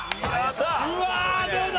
うわどうだ？